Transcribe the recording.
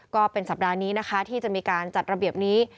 ก็เป็นสัปดาห์นี้นะคะที่จะมีการจัดระเบียบนี้